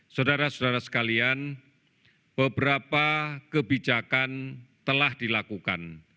saudara saudara sekalian beberapa kebijakan telah dilakukan